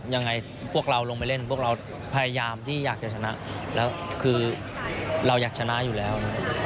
ยังไงพวกเราลงไปเล่นพวกเราพยายามที่อยากจะชนะแล้วคือเราอยากชนะอยู่แล้วนะครับ